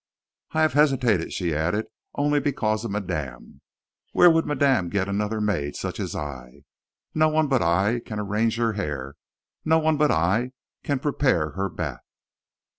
"I have hesitated," she added, "only because of madame. Where would madame get another maid such as I? No one but I can arrange her hair no one but I can prepare her bath...."